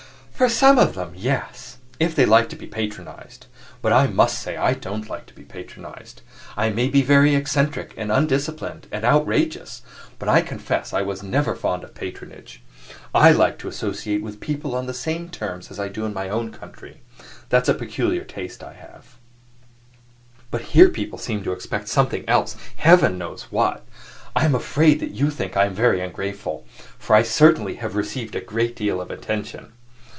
"For some of them, yes if they like to be patronized. But I must say I don't like to be patronized. I may be very eccentric, and undisciplined, and outrageous, but I confess I never was fond of patronage. I like to associate with people on the same terms as I do in my own country; that's a peculiar taste that I have. But here people seem to expect something else Heaven knows what! I am afraid you will think I am very ungrateful, for I certainly have received a great deal of attention.